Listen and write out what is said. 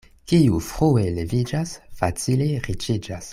Kiu frue leviĝas, facile riĉiĝas.